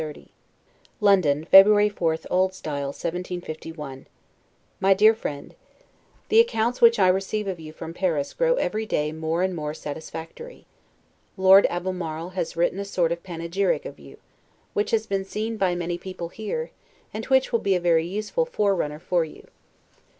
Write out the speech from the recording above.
LETTER CXXX LONDON, February 4, O. S. 1751 MY DEAR FRIEND: The accounts which I receive of you from Paris grow every day more and more satisfactory. Lord Albemarle has wrote a sort of panegyric of you, which has been seen by many people here, and which will be a very useful forerunner for you.